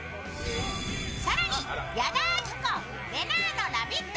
更に、矢田亜希子、れなぁのラヴィット！